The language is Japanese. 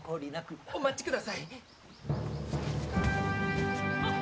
お待ちください！